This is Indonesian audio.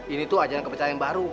ini itu ajaran kepercayaan baru